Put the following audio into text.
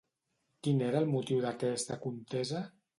Quin era el motiu d'aquesta contesa?